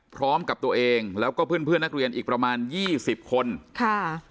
พร้อมกับตัวเองแล้วก็เพื่อนเพื่อนนักเรียนอีกประมาณยี่สิบคนค่ะ